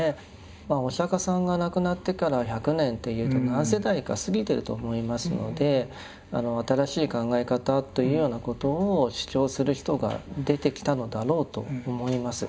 まあお釈迦さんが亡くなってから１００年といえど何世代か過ぎていると思いますので新しい考え方というようなことを主張する人が出てきたのだろうと思います。